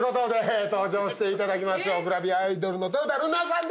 グラビアアイドルの豊田ルナさん